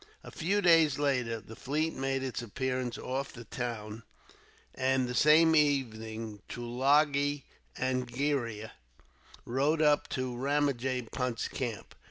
A few days later the fleet made its appearance off the town, and the same evening Tulagi Angria rode up to Ramajee Punt's camp.